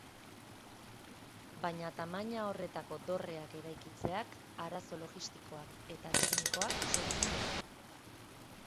Baina tamaina horretako dorreak eraikitzeak arazo logistikoak eta teknikoak sortzen ditu.